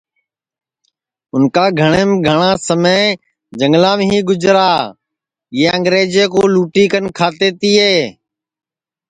اُن کا گھٹؔیم گھٹؔا سمے جھنگام ہی گُجرا یہ انگرجے کُو لُٹی کن کھاتے تیے